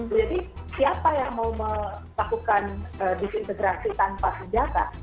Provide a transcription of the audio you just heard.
jadi siapa yang mau melakukan disintegrasi tanpa senjata